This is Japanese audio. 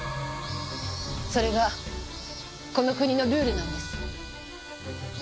それがこの国のルールなんです。